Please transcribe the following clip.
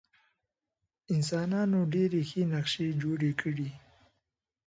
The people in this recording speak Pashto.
انسانانو ډېرې ښې نقشې جوړې کړې.